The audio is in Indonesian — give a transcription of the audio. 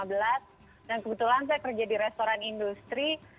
dan kebetulan saya kerja di restoran industri